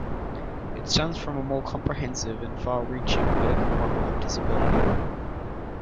It stems from a more comprehensive and far-reaching medical model of disability.